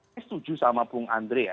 saya setuju sama bung andre ya